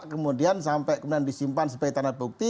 kemudian sampai kemudian disimpan sebagai tanda bukti